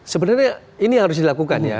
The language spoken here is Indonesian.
sebenarnya ini harus dilakukan ya